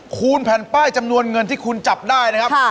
คูณแผ่นป้ายจำนวนเงินที่คุณจับได้นะครับ